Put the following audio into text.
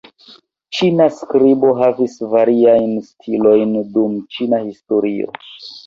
Ĉina skribo havis variajn stilojn dum ĉina historio.